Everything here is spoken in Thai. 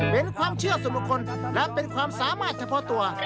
เป็นความเชื่อส่วนบุคคลและเป็นความสามารถเฉพาะตัว